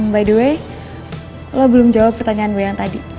by the way lo belum jawab pertanyaan gue yang tadi